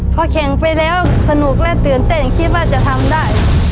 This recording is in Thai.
พอแข่งไปแล้วสนุกและตื่นเต้นคิดว่าจะทำได้